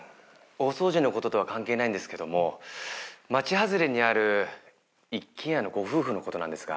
大掃除のこととは関係ないんですけども町外れにある一軒家のご夫婦のことなんですが。